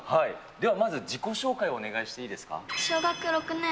ではまず自己紹介をお願いしていいですか。